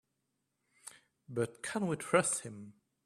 But can we trust him?